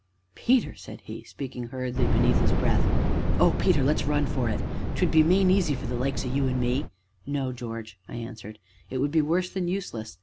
"Peter," said he, speaking hurriedly beneath his breath, "Oh, Peter! let's run for it 'twould be main easy for the likes o' you an' me " "No, George," I answered; "it would be worse than useless.